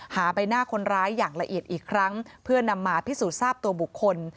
ใบหน้าคนร้ายอย่างละเอียดอีกครั้งเพื่อนำมาพิสูจน์ทราบตัวบุคคล